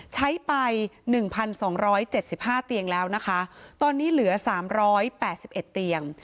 ใช้ไป๑๒๗๕เตียงแล้วนะคะตอนนี้เหลือ๓๘๑เตียง